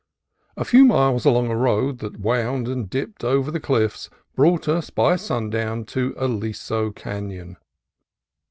A few miles along a road that wound and dipped over the cliffs brought us by sundown to Aliso Canon.